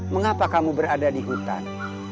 mengapa kamu berada di hutan